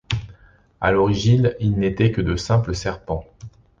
À l'origine ils n'étaient que de simples serpents.